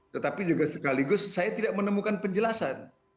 tetapi juga sekaligus saya tidak menemukan penjelasan